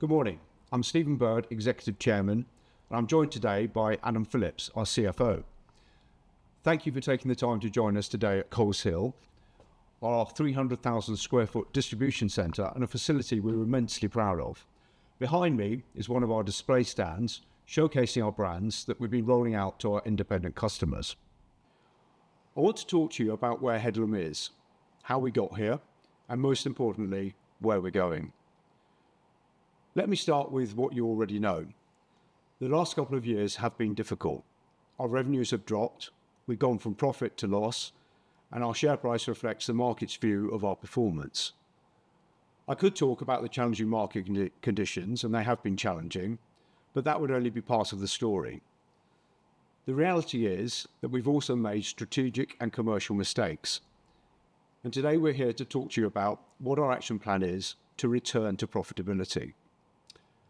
Good morning. I'm Stephen Bird, Executive Chairman, and I'm joined today by Adam Phillips, our CFO. Thank you for taking the time to join us today at Coals Hill, our 300,000 sq ft distribution center and a facility we're immensely proud of. Behind me is one of our display stands showcasing our brands that we've been rolling out to our independent customers. I want to talk to you about where Headlam is, how we got here, and most importantly, where we're going. Let me start with what you already know. The last couple of years have been difficult. Our revenues have dropped, we've gone from profit to loss, and our share price reflects the market's view of our performance. I could talk about the challenging market conditions, and they have been challenging, but that would only be part of the story. The reality is that we've also made strategic and commercial mistakes. Today we're here to talk to you about what our action plan is to return to profitability.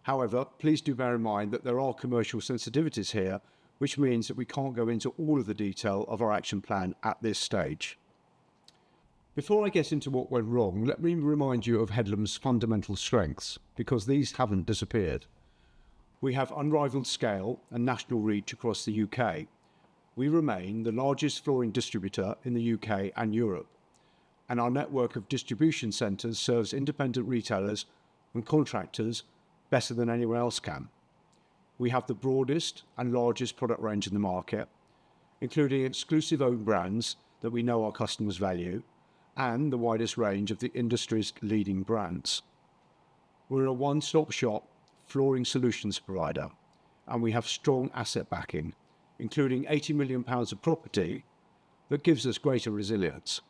However, please do bear in mind that there are commercial sensitivities here, which means that we can't go into all of the detail of our action plan at this stage. Before I get into what went wrong, let me remind you of Headlam's fundamental strengths, because these haven't disappeared. We have unrivaled scale and national reach across the U.K. We remain the largest flooring distributor in the U.K. and Europe, and our network of distribution centers serves independent retailers and contractors better than anyone else can. We have the broadest and largest product range in the market, including exclusive-owned brands that we know our customers value, and the widest range of the industry's leading brands. We're a one-stop shop flooring solutions provider, and we have strong asset backing, including 80 million pounds of property that gives us greater resilience.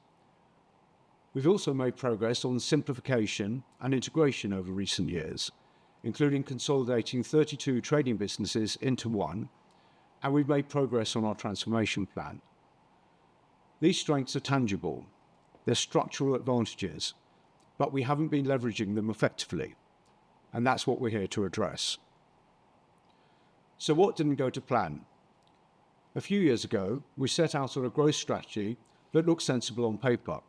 We've also made progress on simplification and integration over recent years, including consolidating 32 trading businesses into one, and we've made progress on our transformation plan. These strengths are tangible. They're structural advantages, but we haven't been leveraging them effectively, and that's what we're here to address. What did not go to plan? A few years ago, we set out on a growth strategy that looked sensible on paper.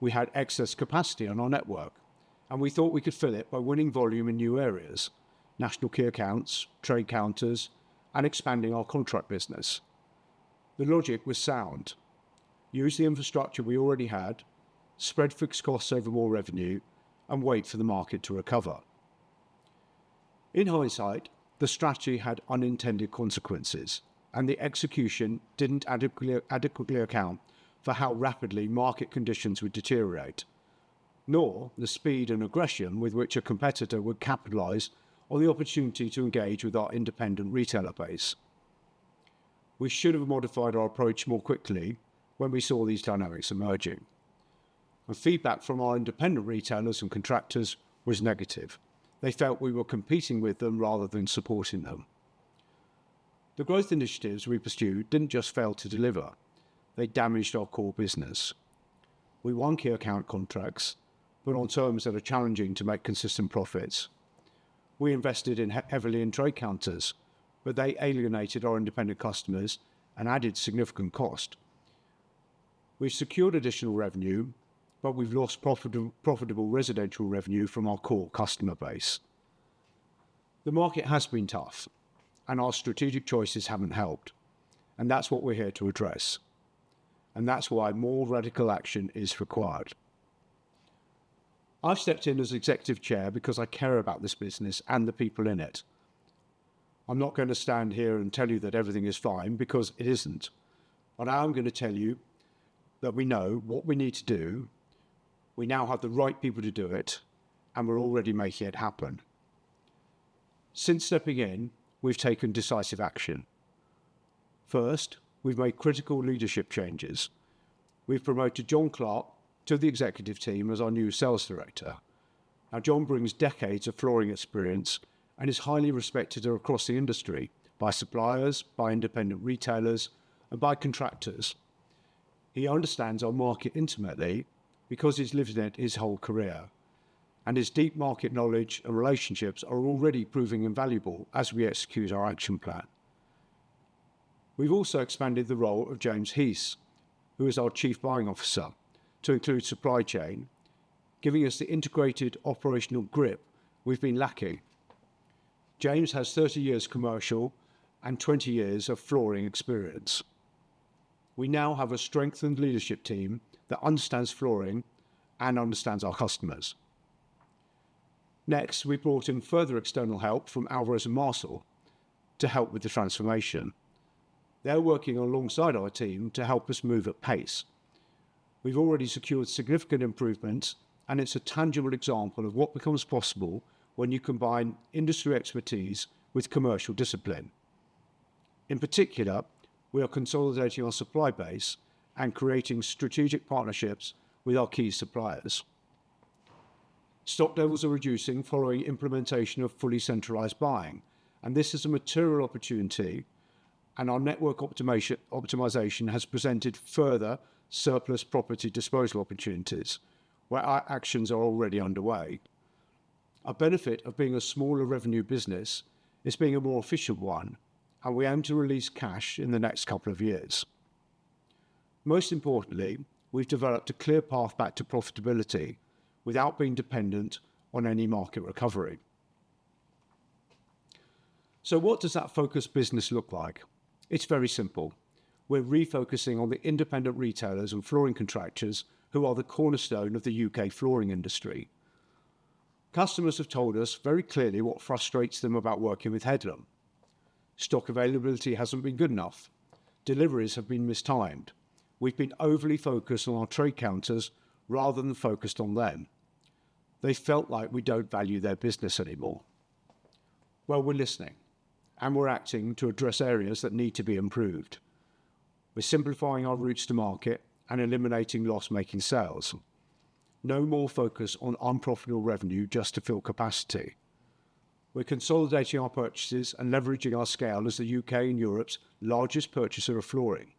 We had excess capacity on our network, and we thought we could fill it by winning volume in new areas: national key accounts, trade counters, and expanding our contract business. The logic was sound. Use the infrastructure we already had, spread fixed costs over more revenue, and wait for the market to recover. In hindsight, the strategy had unintended consequences, and the execution did not adequately account for how rapidly market conditions would deteriorate, nor the speed and aggression with which a competitor would capitalize on the opportunity to engage with our independent retailer base. We should have modified our approach more quickly when we saw these dynamics emerging. The feedback from our independent retailers and contractors was negative. They felt we were competing with them rather than supporting them. The growth initiatives we pursued did not just fail to deliver, they damaged our core business. We won key account contracts, but on terms that are challenging to make consistent profits. We invested heavily in trade counters, but they alienated our independent customers and added significant cost. We have secured additional revenue, but we have lost profitable residential revenue from our core customer base. The market has been tough, and our strategic choices have not helped, and that is what we are here to address. That is why more radical action is required. I have stepped in as Executive Chair because I care about this business and the people in it. I am not going to stand here and tell you that everything is fine, because it is not. I am going to tell you that we know what we need to do, we now have the right people to do it, and we are already making it happen. Since stepping in, we have taken decisive action. First, we have made critical leadership changes. We have promoted John Clark to the executive team as our new Sales Director. John brings decades of flooring experience and is highly respected across the industry by suppliers, by independent retailers, and by contractors. He understands our market intimately because he's lived it his whole career, and his deep market knowledge and relationships are already proving invaluable as we execute our action plan. We've also expanded the role of James Heath, who is our Chief Buying Officer, to include supply chain, giving us the integrated operational grip we've been lacking. James has 30 years of commercial and 20 years of flooring experience. We now have a strengthened leadership team that understands flooring and understands our customers. Next, we brought in further external help from Alvarez & Marsal to help with the transformation. They're working alongside our team to help us move at pace. We've already secured significant improvements, and it's a tangible example of what becomes possible when you combine industry expertise with commercial discipline. In particular, we are consolidating our supply base and creating strategic partnerships with our key suppliers. Stock levels are reducing following implementation of fully centralized buying, and this is a material opportunity, and our network optimization has presented further surplus property disposal opportunities where our actions are already underway. Our benefit of being a smaller revenue business is being a more efficient one, and we aim to release cash in the next couple of years. Most importantly, we've developed a clear path back to profitability without being dependent on any market recovery. What does that focus business look like? It's very simple. We're refocusing on the independent retailers and flooring contractors who are the cornerstone of the U.K. flooring industry. Customers have told us very clearly what frustrates them about working with Headlam. Stock availability hasn't been good enough. Deliveries have been mistimed. We've been overly focused on our trade counters rather than focused on them. They felt like we don't value their business anymore. We're listening, and we're acting to address areas that need to be improved. We're simplifying our routes to market and eliminating loss-making sales. No more focus on unprofitable revenue just to fill capacity. We're consolidating our purchases and leveraging our scale as the U.K. and Europe's largest purchaser of flooring.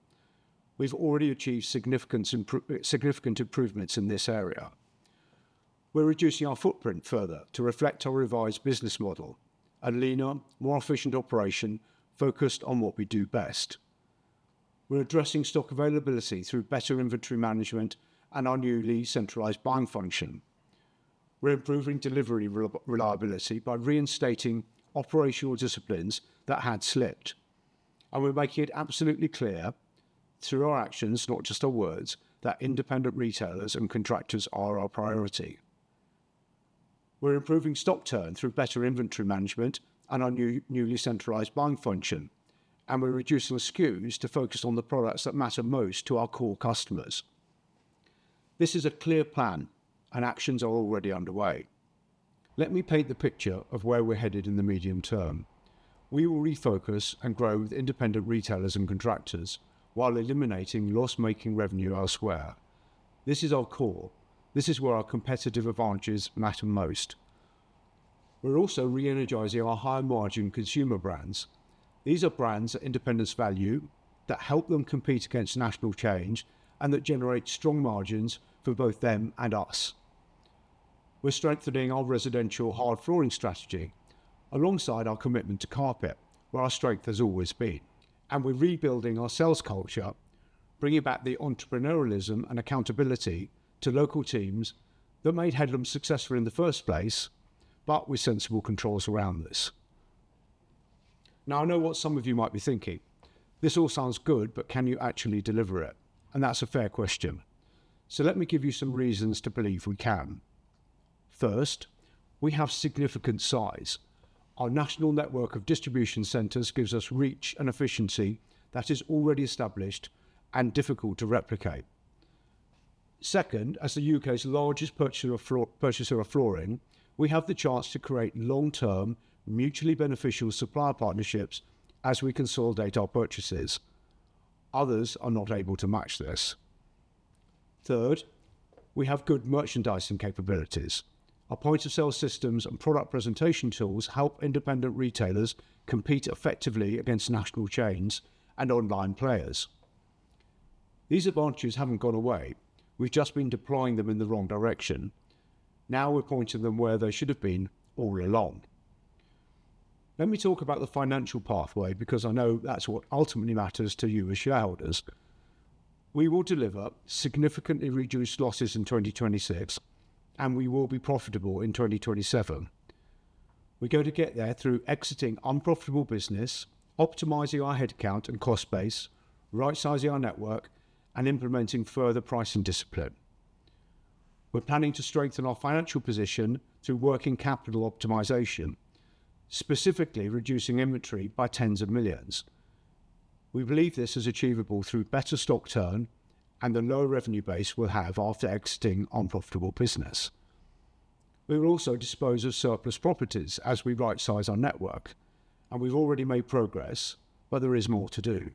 We've already achieved significant improvements in this area. We're reducing our footprint further to reflect our revised business model: a leaner, more efficient operation focused on what we do best. We're addressing stock availability through better inventory management and our newly centralized buying function. We're improving delivery reliability by reinstating operational disciplines that had slipped. We're making it absolutely clear through our actions, not just our words, that independent retailers and contractors are our priority. We're improving stock turn through better inventory management and our newly centralized buying function, and we're reducing the SKUs to focus on the products that matter most to our core customers. This is a clear plan, and actions are already underway. Let me paint the picture of where we're headed in the medium term. We will refocus and grow with independent retailers and contractors while eliminating loss-making revenue elsewhere. This is our core. This is where our competitive advantages matter most. We're also re-energizing our higher-margin consumer brands. These are brands that independents value, that help them compete against national change, and that generate strong margins for both them and us. We're strengthening our residential hard flooring strategy alongside our commitment to carpet, where our strength has always been. We are rebuilding our sales culture, bringing back the entrepreneurialism and accountability to local teams that made Headlam successful in the first place, but with sensible controls around this. I know what some of you might be thinking. This all sounds good, but can you actually deliver it? That is a fair question. Let me give you some reasons to believe we can. First, we have significant size. Our national network of distribution centers gives us reach and efficiency that is already established and difficult to replicate. Second, as the U.K.'s largest purchaser of flooring, we have the chance to create long-term, mutually beneficial supplier partnerships as we consolidate our purchases. Others are not able to match this. Third, we have good merchandising capabilities. Our point-of-sale systems and product presentation tools help independent retailers compete effectively against national chains and online players. These advantages have not gone away. We've just been deploying them in the wrong direction. Now we're pointing them where they should have been all along. Let me talk about the financial pathway, because I know that's what ultimately matters to you as shareholders. We will deliver significantly reduced losses in 2026, and we will be profitable in 2027. We're going to get there through exiting unprofitable business, optimizing our headcount and cost base, right-sizing our network, and implementing further pricing discipline. We're planning to strengthen our financial position through working capital optimization, specifically reducing inventory by tens of millions. We believe this is achievable through better stock turn and the lower revenue base we'll have after exiting unprofitable business. We will also dispose of surplus properties as we right-size our network, and we've already made progress, but there is more to do.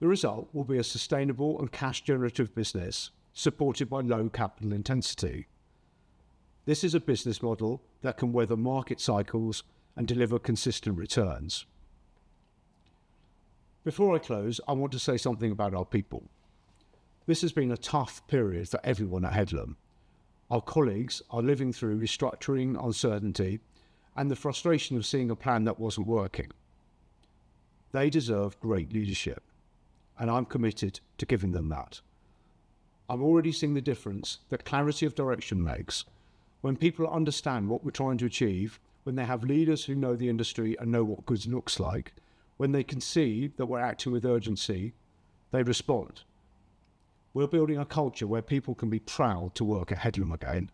The result will be a sustainable and cash-generative business supported by low capital intensity. This is a business model that can weather market cycles and deliver consistent returns. Before I close, I want to say something about our people. This has been a tough period for everyone at Headlam. Our colleagues are living through restructuring uncertainty and the frustration of seeing a plan that was not working. They deserve great leadership, and I am committed to giving them that. I am already seeing the difference that clarity of direction makes. When people understand what we are trying to achieve, when they have leaders who know the industry and know what good looks like, when they can see that we are acting with urgency, they respond. We are building a culture where people can be proud to work at Headlam again.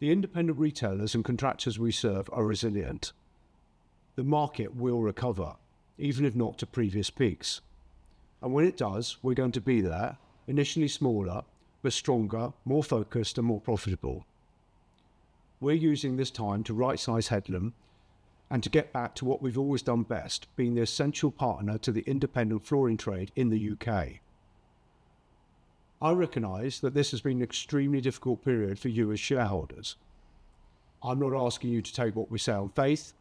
The independent retailers and contractors we serve are resilient. The market will recover, even if not to previous peaks. When it does, we're going to be there, initially smaller, but stronger, more focused, and more profitable. We're using this time to right-size Headlam and to get back to what we've always done best, being the essential partner to the independent flooring trade in the U.K. I recognize that this has been an extremely difficult period for you as shareholders. I'm not asking you to take what we say on faith.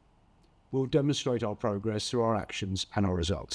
We'll demonstrate our progress through our actions and our results.